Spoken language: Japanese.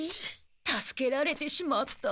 助けられてしまった。